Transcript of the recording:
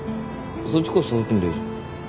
そっちこそ誘ってみりゃいいじゃん。